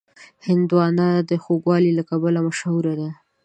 هندوانه د خوږوالي له کبله مشهوره ده.